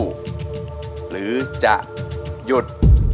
หรือจะหยุด